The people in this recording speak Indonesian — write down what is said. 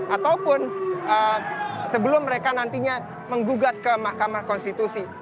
ataupun sebelum mereka nantinya menggugat ke mahkamah konstitusi